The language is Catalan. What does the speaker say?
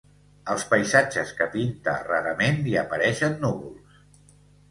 Als paisatges que pinta rarament hi apareixen núvols.